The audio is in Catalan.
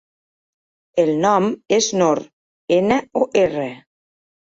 El nom és Nor: ena, o, erra.